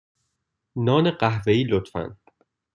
نان قهوه ای، لطفا.